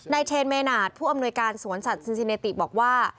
เทนเมนาทผู้อำนวยการสวนสัตว์ซูซิเนติบอกว่า